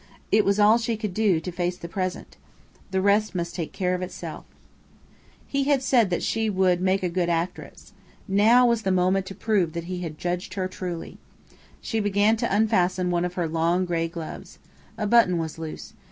It was all she could do to face the present. The rest must take care of itself. He had said that she would "make a good actress." Now was the moment to prove that he had judged her truly! She began to unfasten one of her long gray gloves. A button was loose.